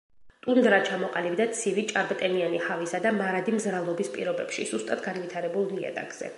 ტუნდრა ჩამოყალიბდა ცივი, ჭარბტენიანი ჰავისა და მარადი მზრალობის პირობებში, სუსტად განვითარებულ ნიადაგზე.